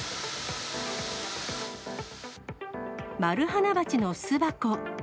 マルハナバチの巣箱。